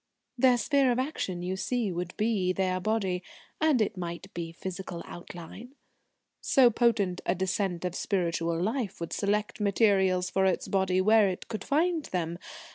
"Their sphere of action, you see, would be their body. And it might be physical outline. So potent a descent of spiritual life would select materials for its body where it could find them.